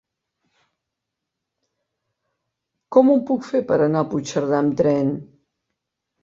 Com ho puc fer per anar a Puigcerdà amb tren?